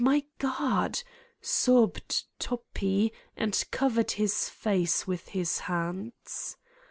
My God !" sobbed Toppi and covered his face with his hands.